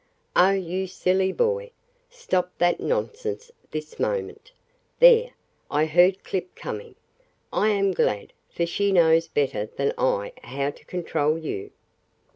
"Oh, you silly boy! Stop that nonsense this moment. There! I heard Clip coming. I am glad, for she knows better than I how to control you."